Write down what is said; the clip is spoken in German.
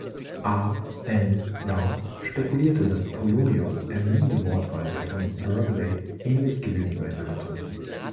A. L. Rowse spekulierte, dass Polonius' ermüdende Wortwahl der von Burghley ähnlich gewesen sein könnte.